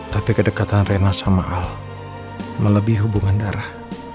tapi kedekatan rena sama al melebihi hubungan darah